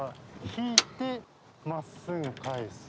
引いて真っすぐ返す。